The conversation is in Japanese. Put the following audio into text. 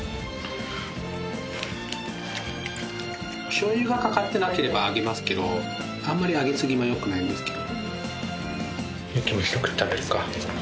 醤油が掛かってなければあげますけどあんまりあげ過ぎもよくないんですけど。